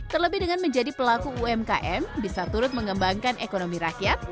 terlebih dengan menjadi pelaku umkm bisa turut mengembangkan ekonomi rakyat